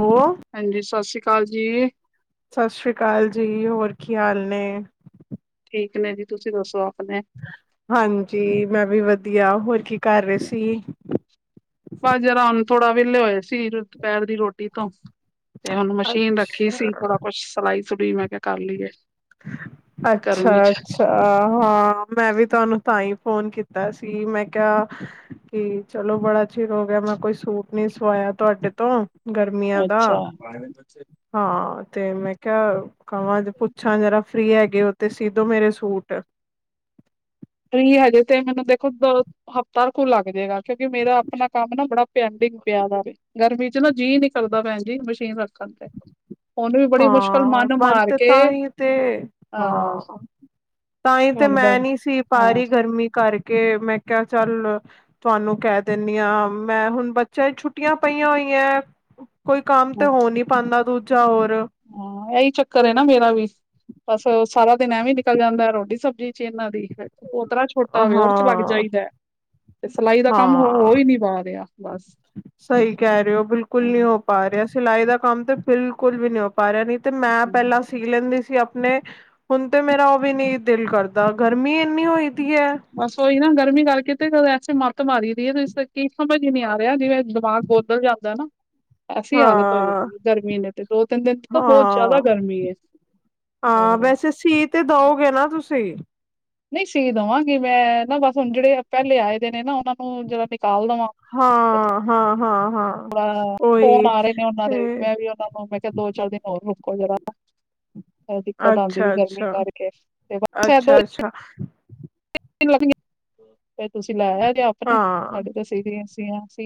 ਹੋ। ਹਾਂਜੀ, ਸਤਿ ਸ਼੍ਰੀ ਅਕਾਲ ਜੀ। ਸਤਿ ਸ੍ਰੀ ਅਕਾਲ ਜੀ, ਹੋਰ ਕੀ ਹਾਲ ਨੇ? ਠੀਕ ਨੇ ਜੀ, ਤੁਸੀਂ ਦੱਸੋ ਆਪਣੇ? ਹਾਂਜੀ, ਮੈਂ ਵੀ ਵਧੀਆ ਹੋਰ ਕੀ ਕਰ ਰਹੇ ਸੀ? ਬਾ ਯਾਰਮ ਥੋੜਾ ਵਿਹਲੇ ਹੋਏ ਸੀ, ਦੁਪਹਿਰ ਦੀ ਰੋਟੀ ਤੋਂ। ਤੇ ਹੁਣ ਮਸ਼ੀਨ ਰੱਖੀ ਸੀ ਅੱਛਾ ਥੋੜਾ ਕੁਛ, ਸਿਲਾਈ ਸਲੁਈ ਮੈਂ ਕਿਹਾ ਕਰ ਲਈਏ। ਅੱਛਾ, ਗਰਮੀ ਚ ਅੱਛਾ ਹਾਂ, ਹਾਂ। ਮੈਂ ਵੀ ਤੁਹਾਨੂੰ ਤਾਂ ਹੀ ਫੋਨ ਕੀਤਾ ਸੀ, ਮੈਂ ਕਿਹਾ ਕੀ ਚਲੋ ਬੜਾ ਚਿਰ ਹੋ ਗਿਆ ਮੈਂ, ਕੋਈ ਸੂਟ ਨੀ ਸਵਾਇਆ ਤੁਹਾਡੇ ਤੋਂ। ਗਰਮੀਆਂ ਦਾ, ਅੱਛਾ ਹਾਂ ਤੇ ਮੈਂ ਕਿਹਾ ਕਵਾਂ ਪੁ ਪੂਛਾਂ ਜਰਾ ਫ੍ਰਰੀ ਹੈਗੇ ਉਹ ਤੇ ਸੀਦੋ ਮੇਰੇ ਸੂਟ। ਫ੍ਰੀ ਹਜ ਤੇ ਮਨ ਦੇਖੋ ਦ ਹਫ਼ਤਾ ਕੋ ਲੱਗ ਜਾਏਗਾ ਕਿਉਂਕਿ ਮੇਰਾ ਆਪਣਾ ਕੰਮ ਨਾ ਬੜਾ ਪੈਂਡਿੰਗ ਪਿਆ ਵਾ ਵੇ। ਗਰਮੀ ਚ ਨਾ ਜੀਅ ਨਿ ਕਰਦਾ ਭੈਣ ਜੀ, ਮਸ਼ੀਨ ਰੱਖਣ ਤੇ। ਹੁਣ ਵੀ ਬੜੀ ਮੁਸ਼ਕਿਲ ਹਾਂ, ਮਨ ਮਾਰ ਤੇ ਕੇ ਤਾਂ ਹੀ ਤੇ ਅਹ ਹਾਂ। ਤਾਂ ਹੀ ਤੇ ਹੁਣ ਮੈਂ ਬਣ ਨਹੀ ਸੀ ਪਾ ਹਾਂ ਰਹੀ ਗਰਮੀ ਕਰਕੇ, ਮੈਂ ਕਿਹਾ ਚੱਲ। ਤੁਹਾਨੂੰ ਕਹਿ ਦਿੰਦੀ ਹਾਂ, ਮੈਂ ਹੁਣ ਬੱਚਿਆਂ ਛੁੱਟੀਆਂ ਪਈਆਂ ਹੋਈਆਂ। ਕੋਈ ਕੰਮ ਤੇ ਹਾਂ ਹੋ ਨੀ ਪਾਉਂਦਾ ਦੂਜਾ ਹੋਰ। ਹਾਂ, ਇਹੀ ਚੱਕਰ ਹੈ ਨਾ ਮੇਰਾ ਵੀ। ਬਸ ਸਾਰਾ ਦਿਨ ਐਵੇ ਵੀਂ ਨਿਕਲ ਜਾਂਦਾ ਏ, ਰੋਟੀ ਸਬਜ਼ੀ ਚ ਇਹਨਾਂ ਦੀ। ਤਰਾ ਛੋਟਾ ਵੇ ਉੱਦੇ ਚ ਲੱਗ ਹਾਂ ਜਾਈਦਾ ਤੇ ਸਿਲਾਈ ਦਾ ਕੰਮ ਹੋ ਹੋ ਈ ਨਈ ਪਾ ਰਿਆ ਬਸ। ਸਈ ਕੈ ਰਏ ਓ ਬਿਲਕੁਲ ਨੀ ਹੋ ਪਾ ਰਿਆ, ਸਿਲਾਈ ਦਾ ਕੰਮ ਤੇ ਬਿਲਕੁਲ ਵੀ ਨੀ ਹੋ ਪਾ ਰਿਆ ਨੀ ਤੇ ਮੈਂ ਹਮ ਪੈਲਾਂ ਸੀ ਲੈਂਦੀ ਸੀ ਆਪਣੇ। ਹੁਣ ਤੇ ਮੇਰਾ ਓ ਵੀ ਨੀ ਦਿਲ ਕਰਦਾ ਗਰਮੀ ਇੰਨੀ ਹੋਈ ਦੀ ਐ। ਬਸ ਓਈ ਨਾ ਗਰਮੀ ਕਰਕੇ ਤੇ ਕ ਐਸੇ ਮੱਤ ਮਾਰੀਦੀ ਏ ਇਸਕਰਕੇ ਸਮਝ ਈ ਨਈ ਆ ਰਿਆ ਜਿਵੇਂ ਦਿਮਾਗ ਬੌਤ ਬਦਲ ਜਾਂਦਾ ਨਾ। ਐਸੀ ਹਾਲਤ ਹੋਏ ਹਾਂ ਦੀ ਏ ਗਰਮੀ ਨੇ ਤੇ ਦੋ-ਤਿੰਨ ਦਿਨ ਤੋ ਬੌਤ ਜ਼ੈਦਾ ਹਾਂ ਗਰਮੀ ਐ। ਹਾਂ, ਵੈਸੇ ਸੀ ਤੇ ਦਓਗੇ ਨਾ ਤੁਸੀਂ। ਨਈ ਸੀ ਦਵਾਂਗੀ ਮੈਂ ਨਾ ਬਸ ਹੁਣ ਜੇੜੇ ਪੈਲੇ ਆਏ ਦੇ ਨੇ ਨਾ ਉਨਾਂ ਨੂੰ ਜਰਾ ਨਿਕਾਲ ਦਵਾਂ। ਹਾਂ, ਹਾਂ, ਹਾਂ, ਹਾਂ ਥੋੜਾ ਫੋਨ ਉਹੀ ਆ ਰੇ ਨੇ ਉਨਾਂ ਦੇ ਵੀ ਤੇ ਮੈਂ ਵੀ ਉਨਾਂ ਨੂੰ ਮੈਂ ਕਿਆ ਦੋ- ਚਾਰ ਦਿਨ ਹੋਰ ਰੁਕੋ ਜਰਾ, ਬੜੀ ਦਿੱਕਤ ਆਂਦੀ ਵੀ ਅੱਛਾ, ਗਰਮੀ ਅੱਛਾ, ਕਰਕੇ ਤੇ ਬਸ ਐ ਦੋ ਅੱਛਾ, ਅੱਛਾ। [unintelligible] ਤੁਸੀਂ ਲੈ ਆਏ‌ਜੇ ਆਪ। ਹਾਂ,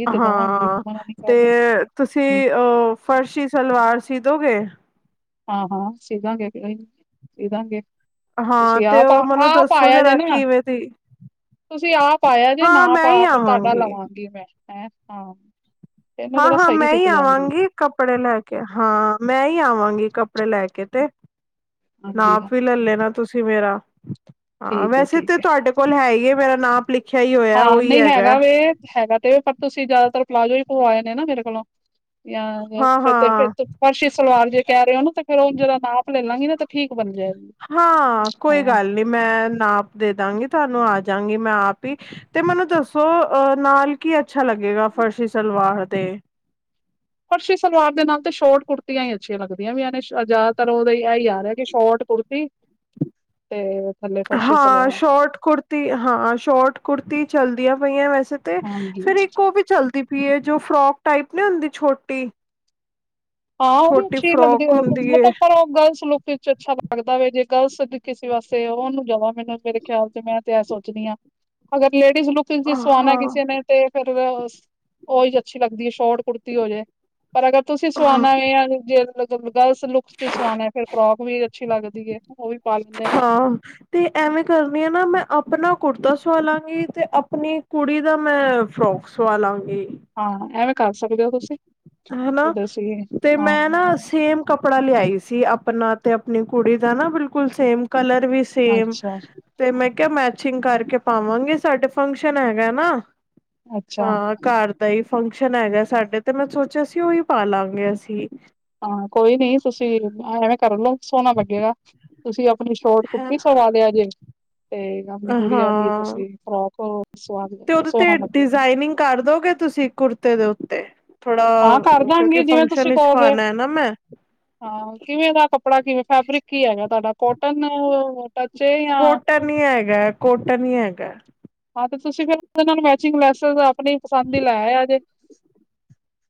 ਤੇ ਦੇਵਾਂਗੀ ਹਾਂ ਮਨਾ ਨਹੀਂ ਤੇ ਕਰਦੇ ਤੁਸੀ ਓ ਫਰਸ਼ੀ ਸਲਵਾਰ ਸੀ ਦੋਗੇ। ਹਾਂ-ਹਾਂ ਸੀਦਾਂਗੇ ਕੋਈ ਨੀ ਸੀਦਾਂਗੇ। ਹਾਂ ਤੁਸੀ ਤੇ ਆਪ, ਉਹ ਮੈਨੂੰ ਆਪ ਦੱਸੋ ਆਯਾ ਜੇ ਜਰਾ ਨਾ। ਕਿਵੇਂ ਦੀ ਤੁਸੀ ਆਪ ਆਇਆ ਜੇ ਹਾਂ ਨਾਪ ਮੈਂ ਹੀ ਆਪ ਤੁਆਡਾ ਆਵਾਂਗੀ ਲਵਾਂਗੀ ਮੈਂ ਹੈਂ ਨਾਪ। ਹਾਂ-ਹਾਂ, ਮੈਂ ਈ ਆਵਾਂਗੀ ਕੱਪੜੇ ਲੈ ਕੇ। ਹਾਂ, ਮੈਂ ਈ ਆਵਾਂਗੀ ਕੱਪੜੇ ਲੈ ਕੇ ਤੇ। ਹਾਂਜੀ ਨਾਪ ਵੀ ਹਾਂਜੀ ਲੈ ਲੈਨਾ ਤੁਸੀ ਮੇਰਾ। ਹਾਂ, ਠੀਕ ਹੈ ਵੈਸੇ ਠੀਕ ਤੇ ਹੈ ਤੁਆਡੇ ਕੋਲ ਹੈਈ ਏ ਮੇਰਾ ਨਾਪ ਲਿਖ ਹਾਂ, ਨਈ ਹੈਗਾ ਵੇ। ਹੈਗਾ ਤੇ ਪਰ ਤੁਸੀਂ ਜੈਦਾਤਰ ਪਲਾਜ਼ੋ ਈ ਪਵਾਏ ਨੇ ਨਾ ਮੇਰੇ ਕੋਲੋਂ ਯਾ ਹਾਂ, ਫਿਰ ਤੇ ਹਾਂ ਫਿਰ ਤੋ ਫਰਸ਼ੀ ਸਲਵਾਰ ਜੇ ਕੈ ਰੇ ਓ ਨਾ ਫੇਰ ਓਂਜ ਓਦਾਂ ਨਾਪ ਲੈ ਲਾਂਗੀ ਨਾ ਤੇ ਠੀਕ ਬਣ ਜੇ ਹਾਂ, ਕੋਈ ਗੱਲ ਨੀ ਮੈਂ ਨਾਪ ਦੇ ਦਾਂਗੀ ਤੁਆਨੂੰ ਆਜਾਂਗੀ ਮੈਂ ਆਪ ਈ। ਤੇ ਮੈਨੂੰ ਦੱਸੋ ਅ ਨਾਲ ਕੀ ਅੱਛਾ ਲੱਗੇਗਾ ਫਰਸ਼ੀ ਸਲਵਾਰ ਦੇ। ਫਰਸ਼ੀ ਸਲਵਾਰ ਦੇ ਨਾਲ ਤੇ ਸ਼ੋਰਟ ਕੁੁਰਤੀਆਂ ਈ ਅੱਛੀਆਂ ਲੱਗਦੀਆਂ ਪੀਆਂ ਨੇ। ਜ਼ੈਦਾਤਰ ਓ ਐ ਈ ਆਰੇਆ ਏ ਕਿ ਸ਼ੋਰਟ ਕੁੜਤੀ ‌ [inaudible] ਤੇ ਥੱਲੇ ਫਰਸ਼ੀ ਹਾਂ, ਸਲਵਾਰ ਸ਼ੋਰਟ ਕੁੜ ਤੀ, ਹਾਂ ਸ਼ੋਟ ਕੁੁੜਤੀ ਚਲਦੀਆਂ ਪਈਆਂ ਵੈਸੇ ਤੇ ਹਾਂਜੀ ਫੇਰ ਇੱਕ ਓ ਵੀ ਚੱਲਦੀ ਪਈਏ ਜੋ ਫਰੋਕ ਟਾਈਪ ਨੀ ਹੁੰਦੀ ਛੋਟੀ। ਹਾਂ, ਓ ਵੀ ਛੋਟੀ ਅੱਛੀ ਲੱਗਦੀ ਫਰੋਕ ਓ ਹੁੰਦੀ ਏ ਮਤਲਬ ਪਰ ਓ ਗਰਲਸ ਲੂਕ ਚ ਅੱਛਾ ਲੱਗਦਾ ਵੇ, ਜੇ ਗਰਲਸ ਦੀ ਕਿਸੇ ਵਾਸਤੇ ਓਨੂ ਜਾਦਾ ਮੈਨੂੰ ਮੇਰੇ ਖਿਆਲ ਚ ਮੈਂ ਤੇ ਸੋਚਨੀ ਆ, ਅਗਰ ਲੇਡੀਜ਼ ਲੁੱਕ ਚ ਸਵਾਣਾ ਹਾਂ ਕਿਸੇ ਨੇ ਤੇ ਫੇਰ ਵ ਓਈ ਅੱਛੀ ਲੱਗਦੀ ਏ ਸ਼ੋਰਟ ਕੁੜਤੀ ਹੋ ਜੇ। ਪਰ ਅਗਰ ਤੁਸੀ ਸਵਾਣਾ ਏ ਅਲਗ ਜੇ ਗਰ ਗਲਸ ਲੁੱਕ ਚ ਸਵਾਨਾ ਫਿਰ ਫਰੋਕ ਵੀ ਅੱਛੀ ਲੱਗਦੀ ਐ ਓ ਵੀ ਪਾ ਲੈਂਦੇ ਨੇ। ਹਾਂ। ਤੇ ਐਵੇਂ ਕਰਨੀ ਆ ਨਾ ਮੈਂ ਅਪਣਾ ਕੁੜਤਾ ਸੁਆਲਾਂਗੀ ਤੇ ਅਪਣੀ ਕੁੜੀ ਦਾ ਮੈਂ ਫਰੋਕ ਸਵਾਲਾਂਗੀ। ਹਾਂ, ਐਵੇਂ ਕਰ ਸਕਦੇ ਓ ਤੁਸੀਂ। ਹੈਨਾ ਦੱਸੀਏ ਤੇ ਹਾਂ ਮੈਂ ਨਾ ਸੇਮ ਕੱਪੜਾ ਲਿਆਈ ਸੀ ਅਪਣਾ ਤੇ ਅਪਣੀ ਕੁੜੀ ਦਾ ਨਾ ਬਿਲਕੁਲ ਸੇਮ ਕਲਰ ਵੀ ਤੇ, ਅੱਛਾ ਤੇ ਮੈਂ ਕਿਆ ਮੈਚਿੰਗ ਕਰਕੇ ਪਾਵਾਂਗੇ ਸਾਡੇ ਫੰਕਸ਼ਨ ਹੈਗਾ ਨਾ ਅੱਛਾ ਹਾਂ, ਘਰ ਦਾ ਈ ਫੰਕਸ਼ਨ ਹੈਗਾ ਸਾਡੇ ਤੇ ਮੈਂ ਸੋਚ ਚਯਾ ਸੀ ਓਹੀ ਪਾਲਾਂਗੇ ਅਸੀ। ਹਾਂ, ਕੋਈ ਨੀ ਤੁਸੀਂ ਐਵੇਂ ਕਰਲਓ ਸੋਣਾ ਲੱਗੇਗਾ ਤੁਸੀਂ ਅਪਣੀ ਸ਼ੋਰਟ ਹੈ ਕੁੁਰਤੀ ਸਵਾ ਲੇਆ ਜੇ ਤੇ ਅਪਣੀ ਗੁੜੀਆ ਦੀ ਹਾਂ ਤੁਸੀ ਫਰੋਕ ਹੋਰ ਓ ਸਵਾ ਲੋ ਤੇ ਉਹਦੇ ਸੋਨਾ ਤੇ ਲਗੇਗਾ। ਡਿਜ਼ਾਇਨਿੰਗ ਕਰ ਦੋਗੇ ਤੁਸੀਂ ਕੁੜਤੇ ਦੇ ਉੱਤੇ। ਥੋੜਾ ਕਿਉਂਕਿ ਦਾਂਗੇ ਜਿਵੇਂ ਫੰਕਸ਼ਨ ਤੁਸੀਂ ਵਿਚ ਕਹੋਗੇ ਪਾਨਾ ਐ ਨਾ ਮੈਂ। ਹਾਂ, ਕਿਵੇਂ ਦਾ ਕੱਪੜਾ ਕਿਵੇਂ ਫੈਬਰਿਕ ਕੀ ਹੈਗਾ ਤੁਹਾਡਾ ਕੋਟਨ। ਟੱਚ ਏ ਜਾਂ ਕੋਟਨ ਹੀ ਹੈਗਾ ਕੋਟਨ ਹੀ ਹੈਗਾ। ਹਾਂ ਤੇ ਤੁਸੀਂ ਫਿਰ ਉਹਦੇ ਨਾਲ ਮੈਚਿੰਗ ਲੈਸੇਸ ਆਪਣੀ ਪਸੰਦ ਦੀ ਲੈ ਆਯਾ ਜੇ।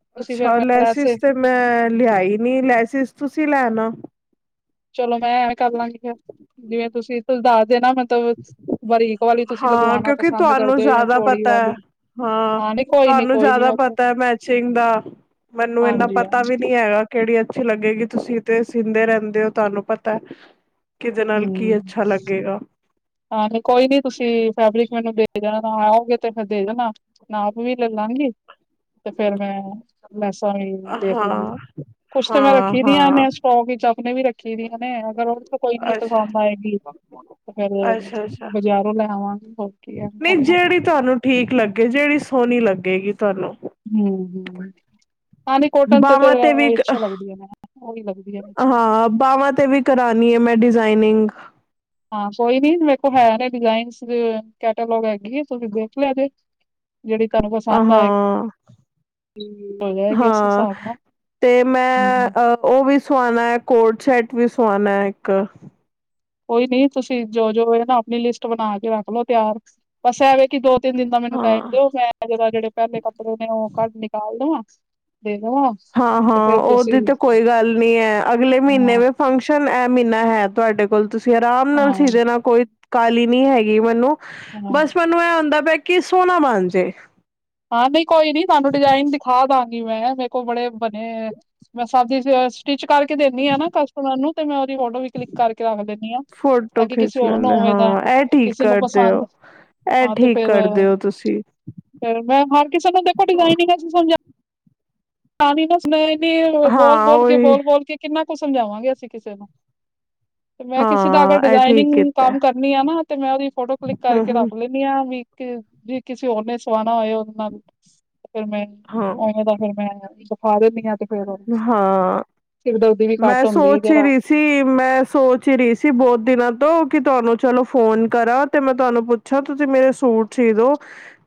ਤੁਸੀਂ ਫਿਰ ਅੱਛਾ ਮੈਂ ਲੈਸ ਲੈਸਿਸ ਤੇ ਮੈਂ ਲਿਆਈ ਨੀ ਲੈਸਿਸ ਤੁਸੀ ਲੈ ਆਨਾ। ਚਲੋ ਮੈਂ ਐਵੇਂ ਕਰ ਲਾਂਗੀ ਫੇਰ ਜਿਵੇਂ ਤੁਸੀਂ ਤੁਸ ਦੱਸ ਦੇਨਾ ਮਤਲਬ ਬਰੀਕ। ਵਾਲੀ ਤੁਸੀਂ ਹਾਂ ਲਗਵਾਉਣਾ ਕਿਉਂਕਿ ਪਸੰਦ ਤੁਹਾਨੂੰ ਕਰਦੇ ਹੋ ਜਾਂ ਜ਼ਿਆਦਾ ਚੋੜੀ ਪਤਾ ਹੈ ਵਾਲੀ। ਹਾਂ ਨੀ ਕੋਈ ਨੀ ਤੁਹਾਨੂੰ ਕੋਈ ਨੀ ਜ਼ਿਆਦਾ ਓਕੇ। ਪਤਾ ਏ ਮੈਚਿੰਗ ਦਾ। ਮੈਨੂੰ ਇੰਨਾ ਹਾਂਜੀ ਪਤਾ ਹਾਂਜੀ ਵੀ ਨੀ ਹੈਗਾ। ਕੇਹੜੀ ਅੱਛੀ ਲੱਗੇਗੀ ਤੁਸੀ ਤੇ ਸੀਂਦੇ ਰਹਿੰਦੇ ਓ ਤੁਹਾਨੂੰ ਪਤਾ ਐ। ਕਿਦੇ ਨਾਲ ਕੀ ਹੂੰ ਅੱਛਾ ਲੱਗੇਗਾ। ਹਾਂ ਨੀ ਕੋਈ ਨੀ ਤੁਸੀ ਫੈਬਰਿਕ ਮੈਨੂੰ ਦੇ ਜਾਣਾ ਆਓਗੇ ਤੇ ਫੇਰ ਦੇ ਜਾਣਾ। ਨਾਪ ਵੀ ਲੈ ਲਾਂਗੀ ਤੇ ਫੇਰ ਮੈਂ ਲੈਸਾਂ ਵੀ ਦੇਖ ਲਾਂਗੀ। ਹਾਂ ਕੁਛ ਤੇ ਮੈਂ ਹਾਂ ਰੱਖੀ ਦੀਆਂ ਹਾਂ ਨੇ ਸਟੋਕ ਵਿੱਚ ਅਪਣੇ ਵੀ ਰੱਖੀ ਦੀਆਂ ਨੇ ਅਗਰ ਓਦੇ ਚੋ ਕੋਈ ਨੀ ਅੱਛਾ ਪਸੰਦ ਆਏਗੀ। ਫੇਰ ਅੱਛਾ ਅੱਛਾ ਬਜ਼ਾਰੋਂ ਲੈਆਵਾਂਗੇ ਹੋਰਕੀ ਐਵੇਂ ਨਹੀਂ ਕਰਲਾਂਗੇ। ਜਿਹੜੀ ਤੁਹਾਨੂੰ ਠੀਕ ਲੱਗੇ ਜਿਹੜੀ ਸੋਹਣੀ ਲੱਗੇਗੀ ਤੁਹਾਨੂੰ। ਹੂੰ ਹੁਂ। ਖਾਲੀ ਕੋਟਨ ਤੇ ਬਾਹਵਾਂ ਓ, ਵੀ ਉਹੀ ਅੱਛੀ ਲੱਗਦੀ ਏ ਨਾ ਉਹੀ ਲੱਗਦੀ ਏ ਅੱਛਾ ਬਾਾਹਵਾਂ ਤੇ ਵੀ। ਕਰਾਨੀ ਏ ਮੈਂ ਡਿਜ਼ਾਇਨਿੰਗ। ਹਾਂ ਕੋਈ ਨੀ ਮੇਰੇ ਕੋਲ ਹੈਗੇ ਨੇ ਡਿਜ਼ਾਇਨ ਕੈਟਾਲੋਗ ਹੈਗੀ ਆ ਤੁਸੀਂ ਦੇਖ ਲਿਆ ਜੇ। ਜੇੜੀ ਤੁਹਾਨੂੰ ਹਾਂ ਪਸੰਦ ਆਏ। ਉਸ ਹਾਂ ਹਿਸਾਬ ਨਾਲ ਤੇ ਮੈਂ ਹੂੰ ਅ। ਉਹ ਵੀ ਸਵਾਣਾ ਹੈ ਕੋਟ ਸ਼ੈਟ ਵੀ ਸਵਾਣਾ ਇੱਕ। ਕੋਈ ਨੀ ਤੁਸੀਂ ਜੋ ਜੋ ਨਾ ਆਪਣੀ ਲਿਸਟ ਬਣਾ ਕੇ ਰੱਖ ਲਓ ਤਿਆਰ ਬਸ ਐਵੇਂ ਕਿ ਦੋ। ਤਿੰਨ ਦਿਨ ਦਾ ਮੈਨੂੰ ਟਾਈਮ ਹਾਂ ਦਿਓ ਮੈਂ ਜਦਾ ਜਿਹੜੇ ਪਹਿਲੇ ਕੱਪੜੇ ਨੇ ਉਹ ਘੱਟ ਨਿਕਾਲ ਦੇਵਾਂ ਦੇ ਦੇਵਾਂ। ਹਾਂ ਤੇ ਹਾਂ ਫੇਰ ਤੁਸੀਂ ਉਹਦੀ ਤੇ ਕੋਈ ਗੱਲ ਨੀ ਹੈ ਅਗਲੇ ਮਹੀਨੇ ਹਾਂ ਵੀ। ਫੰਕਸ਼ਨ ਇਹ ਮਹੀਨਾ ਹੈ ਤੁਹਾਡੇ ਕੋਲ ਤੁਸੀਂ ਆਰਾਮ ਹਾਂ ਨਾਲ ਸੀ ਦੇ ਨਾਲ ਕੋਈ। ਕਾਹਲੀ ਨੀ ਹੈਗੀ ਮੈਨੂੰ ਹਾਂ ਬਸ ਮੈਨੂੰ ਐ ਹੁੰਦਾ ਪਿਆ ਕਿ ਸੋਹਨਾ ਬਣ ਜੇ। ਹਾਂ ਨਹੀਂ ਕੋਈ ਨੀ ਤੁਹਾਨੂੰ ਡਿਜ਼ਾਇਨ ਦਿਖਾ ਦਾਂਗੀ ਮੈਂ ਮੇਰੇ ਕੋਲ ਬੜੇ ਬਣੇ। ਮੈਂ ਸਬਦੀ ਸ ਸਟਿਚ ਕਰਕੇ ਦੇਨੀ ਆਂ ਨਾ ਕਸਟਮਰ ਨੂੰ। ਤੇ ਮੈਂ ਉਹਦੀ ਫੋਟੋ ਵੀ ਕਲਿੱਕ ਕਰਕੇ ਰੱਖ ਦੰਦੀ ਹਾਂ ਤਾਂ ਫੋਟੋ ਕਿ ਖਿੱਚ ਕਿਸੇ ਹੋਰ ਨੂੰ ਲੈਂਦੇ ਹੋਵੇ ਹਾਂ ਦਾ ਕਿਸੇ ਨੂੰ ਪਸੰਦ। ਐ ਠੀਕ ਕਰਦੇ ਓ ਤੁਸੀ। ਫਿਰ ਮੈਂ ਹਰ ਕਿਸੇ ਨੂੰ ਤਾਂ ਡਿਜਾਇਨਿੰਗ ਸਮਝ। ਪਾਣੀ ਨੁ ਸਮੇਲ ਏਨੀ ਏ ਹਾਂ ਬੋਲ ਬੋਲ ਕੇ ਉਹੀ ਬੋਲ ਬੋਲ ਕੇ ਕਿੰਨਾ ਕੁ ਸਮਝਾਵਾਂਗੇ ਅਸੀਂ ਕਿਸੇ ਨੂੰ। ਤੇ ਮੈਂ ਕਿਸੇ ਦਾ ਅਗਰ ਹਾਂ ਇਹ ਠੀਕ ਡਿਜ਼ਾਇਨਿੰਗ ਕੀਤਾ ਕੰਮ ਕਰਨੀ ਆ ਨਾ ਤੇ ਮੈਂ ਉਹਦੀ ਫੋਟੋ ਕਲਿੱਕ ਕਰਕੇ ਹਮ ਰੱਖ ਲੈਂ। ਵੀ ਜੇ ਕਿਸੇ ਹੋਰ ਨੇ ਸਵਾਣਾ ਹੋਏ ਉਹਦੇ ਨਾਲ ਫਿਰ ਮੈਂ। ਹਮ ਔਵੇਂ ਦਾ ਫੇਰ ਮੈਂ ਦਿਖਾ ਦਿੰਨੀ ਆਂ। ਫਿਰ ਹਾਂ ਹਾਂ ਸਿਰ ਦਰਦੀ ਵੀ ਮੈਂ ਘੱਟ ਹੁੰਦੀ ਹੈ ਸੋਚ ਹੀ ਜਰਾ। ਰਹੀ ਸੀ ਮੈ। ਮੈਂ ਸੋਚ ਹੀ ਰਹੀ ਸੀ ਬਹੁਤ ਦਿਨਾਂ ਤੋਂ ਕਿ ਤੁਹਾਨੂੰ ਚਲੋ ਫੋਨ ਕਰਾਂ ਤੇ ਮੈਂ ਤੁਹਾਨੂੰ ਪੁੱਛ। ਅੱਛਾ ਤੁਸੀਂ ਮੇਰੇ ਸੂਟ ਸੀਦੋ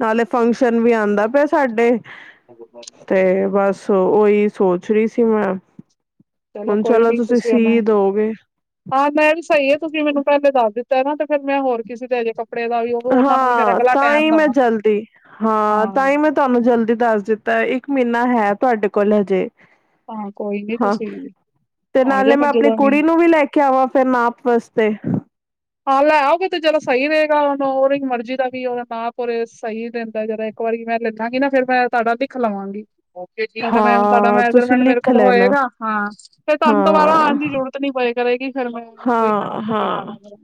ਨਾਲੇ ਫੰਕਸ਼ਨ ਵੀ ਆਂਦਾ ਪਿਆ ਐ ਸਾਡੇ। ਤੇ ਬਸ ਓਹੀ ਸੋਚ ਰਹੀ ਸੀ ਮੈਂ। ਹੁਣ ਕੋਈ ਚਲੋ ਨੀ ਤੁਸੀਂ ਉਹਨਾਂ ਸੀ ਦੋਗੇ। ਹਾਂ ਮੈਂ ਵੀ ਸਹੀ ਹੈ ਤੁਸੀਂ ਮੈਨੂੰ ਪਹਿਲੇ ਦੱਸ ਦਿੱਤਾ ਏ ਨਾ ਤੇ ਫੇਰ ਮੈਂ ਹੋਰ ਕਿਸੇ ਤੇ ਅਜੇ ਕੱਪੜੇ ਦਾ ਵੀ ਉਹ। ਉਹਨਾਂ ਨੂੰ ਵੀ ਫਿਰ ਹਾਂ ਅਗਲਾ ਤਾਂ ਟਾਈਮ ਹੀ ਮੈਂ ਦੇਵਾਂ ਜਲਦੀ ਹਾਂ ਤਾਂ ਹੀ ਮੈਂ ਤੁਹਾਨੂੰ ਜਲਦੀ ਦੱਸ ਦਿੱਤਾ। ਤਾਂ ਇੱਕ ਮਹੀਨਾ ਹੈ ਤੁਹਾਡੇ ਕੋਲ ਹਜੇ। ਹਾਂ ਕੋਈ ਨੀ ਹਾਂ ਤੁਸੀਂ ਤੇ ਆ ਨਾਲੇ ਜਾਣਾ ਮੈਂ ਆਪਣੀ ਜਦੋਂ ਕੁੜੀ ਨੂੰ ਵੀ ਲੈ ਕੇ। ਕਿਆ ਹੂਆ ਫਿਰ ਮਾਪ ਵਾਸਤੇ, ਹਾਂ ਲੈ ਆਓਗੇ ਤੇ ਜ਼ਰਾ ਸਹੀ ਰਹੇਗਾ ਉਹਨੂੰ ਉਹਦੀ ਮਰਜ਼ੀ ਦਾ ਵੀ ਉਹਦਾ ਨਾਪ ਉਰੇ ਸਹੀ ਰਹਿੰਦਾ ਜਰਾ ਏਕ। ਇੱਕ ਵਾਰੀ ਮੈਂ ਲੇਲਾਂਗੀ ਨਾ ਫੇਰ ਮੈਂ ਤੁਹਾਡਾ ਲਖ ਲਵਾਂਗੀ। ਤੁਹਾਡਾ ਹਾਂ ਤੁਸੀਂ ਮੈਜਰਮੈਂਟ ਮੇਰੇ ਲਿਖ ਕੋਲ ਲੈਣਾ ਹੋਏਗਾ, ਹਾਂ ਫੇਰ ਤੁਹਾਨੂੰ ਦੁਆਰਾ ਹਾਂ ਆਣ ਦੀ ਲੋੜ ਨੀ। ਇਤਨੀ ਪਏ ਕਰੇਗੀ ਫਿਰ ਮੈਂ ਨੂੰ ਕੋਈ ਨਾਪ ਹਾਂ ਕੇ ਹਾਂ ਬਣਾ ਦਾਂਗੇ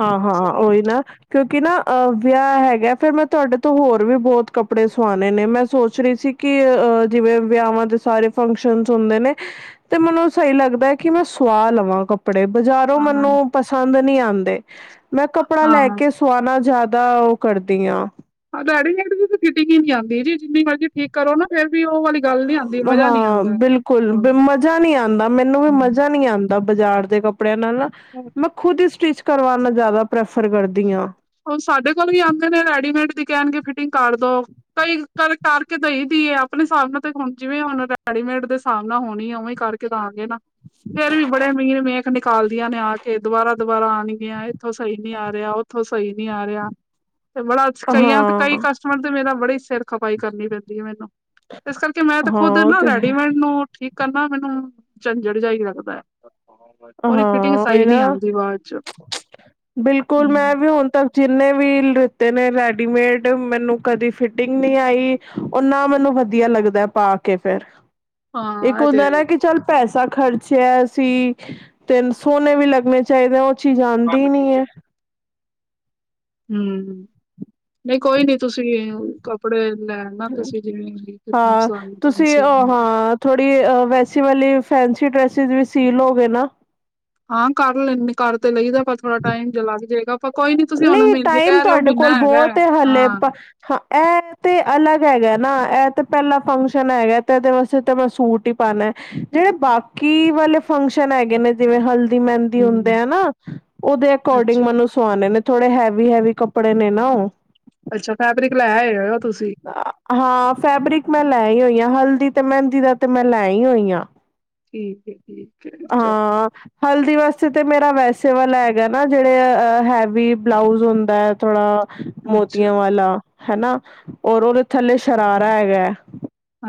ਹਾਂ-ਹਾਂ ਓਹੀ ਨਾ, ਕਿਉਂਕਿ ਨਾ ਅ ਵਿਆਹ ਹੈਗਾ, ਫਿਰ ਮੈਂ ਤੁਹਾਡੇ ਤੋਂ ਹੋਰ ਵੀ ਬੋਤ ਕੱਪੜੇ ਸੁਆਉਣੇ ਨੇ ਮੈਂ। ਸੋਚ ਰਹੀ ਸੀ, ਕਿ ਅ ਜਿਵੇਂ ਵਿਆਹਾਂ ਦੇ ਸਾਰੇ ਫੰਕਸ਼ਨਜ਼ ਹੁੰਦੇ ਨੇ ਤੇ ਮੈਨੂੰ ਸਹੀ ਲੱਗਦਾ ਐ, ਕਿ ਮੈਂ ਸੁਆ ਲਵਾਂ ਕੱਪੜੇ, ਬਜ਼ਾਰੋਂ ਮੈਨੂੰ ਪਸੰਦ ਨੀ ਆਂਦੇ। ਮੈਂ ਕੱਪੜਾ ਲੈ ਹਾਂ ਕੇ, ਸੁਆਣਾ ਜ਼ਾਦਾ ਓਹ ਕਰਦੀ ਆਂ। ਹਾਂ, ਰੈਡੀਮੇਡ ਦੀ ਤੇ ਫਿਟਿੰਗ ਹੀ ਨੀ ਆਂਦੀ, ਜੀ ਜਿੰਨੀ ਮਰਜ਼ੀ ਠੀਕ ਕਰੋ, ਫ਼ਿਰ ਵੀ ਉਹ ਵਾਲੀ ਗੱਲ ਨਹੀਂ ਆਂਦੀ, ਮਜਾ ਨੀ ਆਂ ਹਾਂ ਬਿਲਕੁਲ ਮਜ਼ਾ ਨੀ ਆਂਦਾ, ਮੈਨੂੰ ਵੀ ਮਜ਼ਾ ਹਾਂ ਨੀ ਆਂ ਬਾਜ਼ਾਰ ਦੇ ਕੱਪੜਿਆਂ ਨਾਲ ਨਾ, ਮੈਂ ਖੁਦ ਹੀ ਸਟਿਚ ਕਰਵਾਣਾ ਜ਼ਿਆਦਾ ਪ੍ਰੈਫਰ ਕਰਦੀ ਆਂ। ਹੁਣ ਸਾਡੇ ਕੋਲ ਵੀ ਆਂਦੇ ਨੇ, ਰੈਡੀਮੇਡ ਦੀ ਕਹਿਣਗੇ ਫਿਟਿੰਗ ਕਰ ਦੋ। ਕਈ ਕਰ ਕਰਕੇ ਦਈ ਦੀ ਏ ਆਪਣੇ ਹਿਸਾਬ ਨਾਲ, ਤੇ ਹੁਣ ਜਿਵੇਂ ਹੁਣ ਰੈਡੀਮੇਡ ਦੇ ਹਿਸਾਬ ਨਾਲ ਹੋਣੀ ਏ ਉਵੇਂ ਕਰਕੇ। ਤਾਂ ਆਗੇ ਨਾ, ਫੇਰ ਵੀ ਬੜੇ ਅਮੀਰ ਨੇ। ਨਿਕਾਲਦੀਆ ਨੇ ਆ ਕੇ, ਦੁਬਾਰਾ-ਦੁਬਾਰਾ ਆਣਗੀਆਂ, ਇੱਥੋਂ ਸਹੀ ਨੀ ਆ ਰਿਹਾ ਉੱਥੋਂ ਸਈ ਨੀ ਆ ਰਿਹਾ, ਤੇ ਬੜਾ ਕਈਆਂ ਤੇ ਕਈ ਹਾਂ-ਹਾਂ ਕਸਟ ਕਸਟਮਰ ਤੇ ਮੇਰਾ ਬੜੀ ਸਿਰ ਖਪਾਈ ਕਰਨੀ ਪੈਂਦੀ ਐ ਮੈਨੂੰ, ਇਸ ਕਰਕੇ ਮੈਂ ਤਾਂ ਖੁਦ ਉਹ ਨਾ ਤੇ ਹੈ। ਰੈਡੀਮੇਡ ਨੂੰ ਠੀਕ ਕਰਨਾ, ਮੈਨੂੰ ਝੰਝੜ ਜਾ ਹੀ ਲੱਗਦਾ। ਉਹਦੀ ਫਿਟਿੰਗ ਹਾਂ ਸਹੀ ਉਹੀ ਨੀ ਨਾ ਆਂਦੀ ਬਾਅਦ ਚ। ਬਿਲਕੁਲ, ਹਮ ਮੈਂ ਵੀ ਹੁਣ ਤੱਕ ਜਿੰਨੇ ਵੀ ਲੁਤੇ ਨੇ ਰੈਡੀਮੇਡ, ਮੈਨੂੰ ਕਦੀ ਫਿਟਿੰਗ ਨਹੀਂ ਆਈ। ਉਹ ਨਾ ਮੈਨੂੰ ਵਧੀਆ ਲੱਗਦਾ ਪਾ ਕੇ ਫੇਰ, ਇੱਕ ਹਾਂ ਇਹ ਤੇ ਹੁੰਦਾ ਨਾ ਹੈ ਕਿ ਚੱਲ ਪੈਸਾ ਖਰਚਿਆਂ ਅਸੀਂ, ਤੇ ਸੋਹਣੇ ਵੀ ਲੱਗਣੇ ਚਾਹੀਦੇ ਹੁਣ। ਚੀਜ਼ ਆਂਦੀ ਨੀ ਐ। ਹੂੰ, ਨਹੀਂ ਕੋਈ ਨੀ ਤੁਸੀਂ ਕੱਪੜੇ ਲੈ ਨਾ ਤੁਸੀਂ ਜਿਵੇਂ ਹਾਂ [inaudible] ਤੁਸੀਂ ਸੀ। ਉਹ ਹਾਂ ਥੋੜ੍ਹੀ ਵੈਸੀ ਵਾਲੀ ਫੈਂਸੀ ਡਰੈਸਿਸ ਵੀ ਸੀਅ ਲੋ ਗੇ ਨਾ। ਹਾਂ ਕਰ ਲੈਂਦੇ, ਕਰ ਤੇ ਲਈਦਾ, ਪਰ ਥੋੜਾ ਟਾਈਮ ਜਾ ਲੱਗ ਜੇਗਾ। ਨਹੀਂ, ਟਾਈਮ ਤੁਹਾਡੇ ਕੋਲ ਹੈ। ਬਹੁਤ ਏ ਹਾਲੇ ਹਾਂ ਤਾਂ। ਹਾਂ ਇਹ ਤੇ ਅਲੱਗ ਹੈਗਾ ਨਾ, ਇਹ ਤੇ ਪਹਿਲਾ ਫੰਕਸ਼ਨ ਹੈਗਾ, ਤੇ ਇਹਦੇ ਵਾਸਤੇ ਤਾਂ ਮੈਂ ਸੂਟ ਹੀ ਪਾਣਾ। ਜਿਹੜੇ ਬਾਕੀ ਵਾਲੇ ਫੰਕਸ਼ਨ ਹੈਗੇ ਨੇ ਜਿਵੇਂ ਹਲਦੀ, ਮਹਿੰਦੀ ਹਮ ਹੁੰਦੇ ਆ ਨਾ, ਉਹਦੇ ਅਕੋਰਡਿੰਗ ਅੱਛਾ ਮੈਨੂੰ ਸੁਆਣੇ ਨੇ, ਥੋੜੇ ਹੈਵੀ- ਹੈਵੀ ਕੱਪੜੇ ਨੇ ਨਾ ਉਹ। ਅੱਛਾ, ਫੈਬਰਿਕ ਲੈ ਆਏ ਹੋਏ ਹੋ ਤੁਸੀਂ। ਹਾਂ ਫੈਬਰਿਕ ਮੈਂ ਲੈ ਆਈ ਹੋਈ ਆਂ, ਹਲਦੀ ਤੇ ਮਹਿੰਦੀ ਦਾ ਤੇ ਮੈਂ ਲੈ ਹੀ ਹੋਈ ਹਾਂ। ਠੀਕ ਹੈ ਠੀਕ ਹੈ ਚਲੋ ਆਂ ਹਲਦੀ ਵਾਸਤੇ ਤੇ ਮੇਰਾ ਵੈਸੇ ਵਾਲਾ ਹੈਗਾ ਨਾ, ਜਿਹੜੇ ਹੈਵੀ ਬਲਾਊਜ ਹੁੰਦਾ ਐ ਥੋੜਾ। ਅੱਛਾ ਮੋਤੀਆਂ ਵਾਲਾ ਹਨਾ, ਉਹਦੇ ਥੱਲੇ ਸ਼ਰਾਰਾ ਹੈਗਾ ਐ।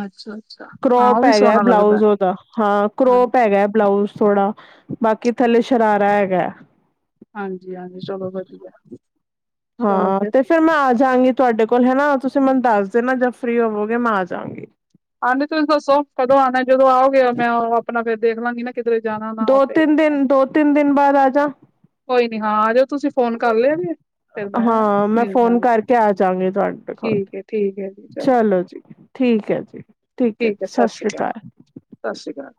ਅੱਛਾ ਅੱਛਾ ਹਾਂ ਕਰੋਪ ਉਹ ਵੀ ਹੈਗਾ ਸੋਹਣਾ ਲੱਗਦਾ ਬਲਾਊਜ ਉਹਦਾ, ਹਾਂ ਕਰੋਪ ਹਾਂਜੀ ਹੈਗਾ ਬਲਾਊਜ ਥੋੜਾ। ਬਾਕੀ ਥੱਲੇ ਸ਼ਰਾਰਾ ਹੈਗਾ। ਹਾਂਜੀ-ਹਾਂਜੀ, ਚਲੋ ਵਧੀਆ। ਚਲੋ ਹਾਂ ਫਿਰ ਤੇ ਤੇ ਮੈਂ ਆ ਜਾਵਾਂਗੀ ਤੁਹਾਡੇ ਕੋਲ ਹਨਾ, ਤੁਸੀਂ ਮੈਨੂੰ ਦੱਸ ਦੇਣਾ ਜਦ ਫ੍ਰੀ ਹੋਵੋਗੇ, ਮੈਂ ਆ ਜਾਵਾਂਗੀ। ਹਾਂਜੀ, ਤੁਸੀਂ ਦੱਸੋ ਕਦੋਂ ਆਣਾ, ਜਦੋਂ ਆਓਗੇ ਮੈਂ ਉਹ ਆਪਣਾ ਫੇਰ ਦੇਖ ਲਾਂਗੀ ਨਾ, ਕਿਧਰੇ ਜਾਣਾ ਨਾ ਦੋ ਹੋਵੇ ਤਿੰਨ ਦਿਨ- ਦੋ ਤਿੰਨ ਦਿਨ ਬਾਅਦ ਆਜਾ। ਕੋਈ ਨੀ ਹਾਂ, ਆਜੋ। ਤੁਸੀਂ ਫੋਨ ਕਰ ਲੈਣੇ ਹੋ, ਫਿਰ ਮੈਂ ਹਾਂ ਮੈਂ ਮਿਲ ਜਾ ਫੋਨ ਗੀ, ਕਰਕੇ ਆ ਜਾਗੀ ਤੁਹਾਡੇ ਕੋਲ ਠੀਕ ਐ। ਠੀਕ ਹੈ ਜੀ, ਚਲ। ਚਲੋ ਜੀ ਠੀਕ ਐ ਜੀ, ਠੀਕ ਐ ਜੀ, ਸਸ ਰੀ ਕਾਲ। ਸਸ ਰੀ ਕਾਲ।